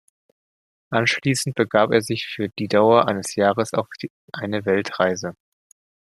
Anschließend begab er sich für die Dauer eines Jahres auf eine Weltreise.